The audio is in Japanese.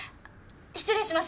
失礼します。